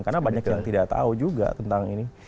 karena banyak yang tidak tahu juga tentang ini